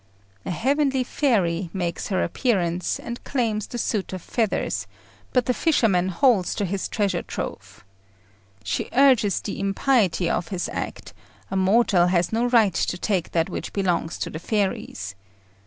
A heavenly fairy makes her appearance, and claims the suit of feathers; but the fisherman holds to his treasure trove. She urges the impiety of his act a mortal has no right to take that which belongs to the fairies.